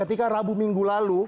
ketika rabu minggu lalu